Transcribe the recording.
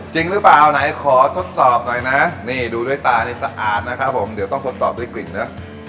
จริงหรือเปล่าไหนขอทดสอบหน่อยนะนี่ดูด้วยตานี่สะอาดนะครับผมเดี๋ยวต้องทดสอบด้วยกลิ่นเนอะ